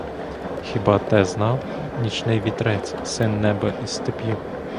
Хіба те знав нічний вітрець, син неба і степів?